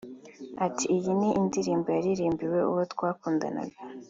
Ati “Iyi ni indirimbo nayiririmbiye uwo twakundanaga